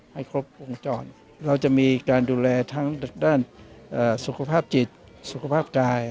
ให้ครบวงจรเราจะมีการดูแลทั้งด้านสุขภาพจิตสุขภาพกาย